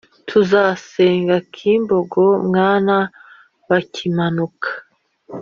tuzasenga kibogo mwana wa kimanuka,